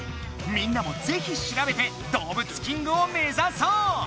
みんなもぜひしらべて動物キングをめざそう！